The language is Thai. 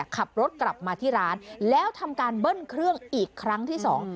ขับรถกลับมาที่ร้านแล้วทำการเบิ้ลเครื่องอีกครั้งที่สอง